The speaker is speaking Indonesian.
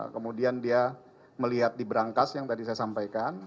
kemudian dia melihat di berangkas yang tadi saya sampaikan